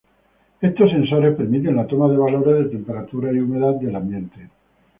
Estos sensores permiten la toma de valores de temperatura y humedad del ambiente.